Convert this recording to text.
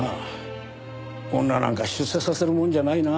女なんか出世させるもんじゃないな。